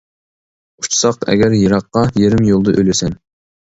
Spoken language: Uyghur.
ئۇچساق ئەگەر يىراققا، يېرىم يولدا ئۆلىسەن.